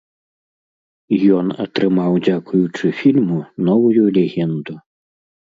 Ён атрымаў, дзякуючы фільму, новую легенду.